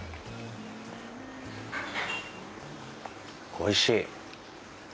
おいしい。